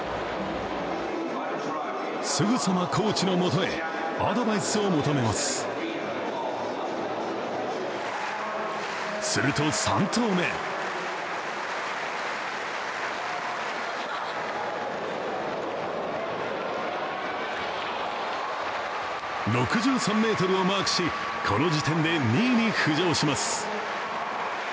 すぐさまコーチのもとへアドバイスを求めますすると、３投目６３ｍをマークし、この時点で２位に浮上します。